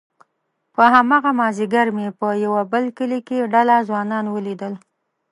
په هماغه مازيګر مې په يوه بل کلي کې ډله ځوانان وليدل،